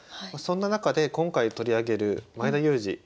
そんな中で今回取り上げる前田祐司